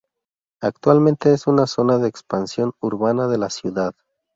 Actualmente es una zona de expansión urbana de la ciudad.